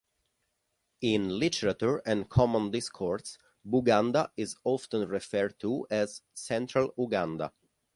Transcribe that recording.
In literature and common discourse, Buganda is often referred to as Central Uganda.